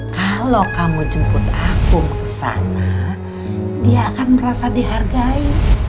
kalau kamu jemput aku ke sana dia akan merasa dihargai